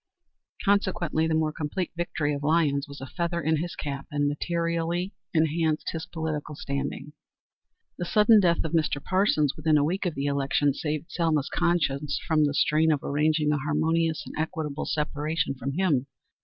Consequently the more complete victory of Lyons was a feather in his cap, and materially enhanced his political standing. The sudden death of Mr. Parsons within a week of the election saved Selma's conscience from the strain of arranging a harmonious and equitable separation from him.